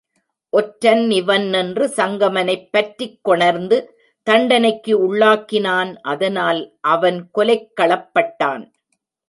ஒற்றன் இவன் என்று சங்கமனைப் பற்றிக் கொணர்ந்து தண்டனைக்கு உள்ளாக்கினன் அதனால் அவன் கொலைக் களப்பட்டான்.